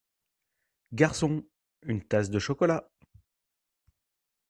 Garçon ! une tasse de chocolat !…